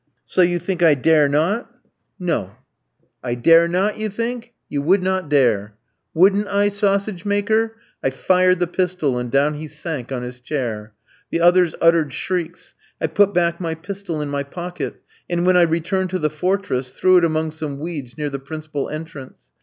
"'So you think I dare not?' "'No.' "'I dare not, you think?' "'You would not dare!' "'Wouldn't I, sausage maker?' I fired the pistol, and down he sank on his chair. The others uttered shrieks. I put back my pistol in my pocket, and when I returned to the fortress, threw it among some weeds near the principal entrance.